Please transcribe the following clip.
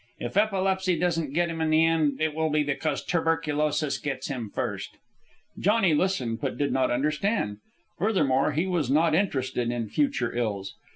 If epilepsy doesn't get him in the end, it will be because tuberculosis gets him first." Johnny listened, but did not understand. Furthermore he was not interested in future ills.